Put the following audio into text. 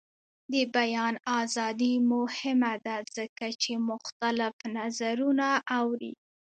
د بیان ازادي مهمه ده ځکه چې مختلف نظرونه اوري.